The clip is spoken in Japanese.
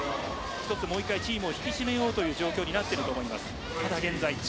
もう一回チームを引き締めようという状態になっていると思います。